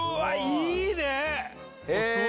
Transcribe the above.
いいね！